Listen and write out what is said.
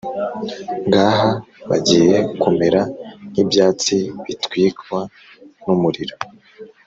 ngaha bagiye kumera nk’ibyatsi bitwikwa n’umuriro,